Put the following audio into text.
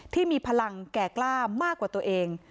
ที่มีพลังแก่กล้ามากกว่าตัวเอง